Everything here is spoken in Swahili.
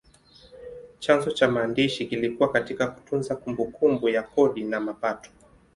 Chanzo cha maandishi kilikuwa katika kutunza kumbukumbu ya kodi na mapato.